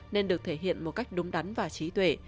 nên được thể hiện một cách đúng đắn và trí tuệ